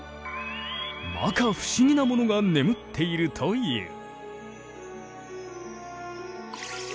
摩訶不思議なものが眠っているという。